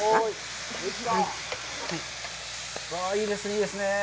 いいですね。